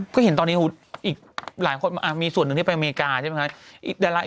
ก็เห็นตอนนี้มีส่วนหนึ่งที่ไปอเมริกาใช่มั้ย